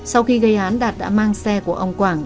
sau khi gây án đạt đã mang xe của ông quảng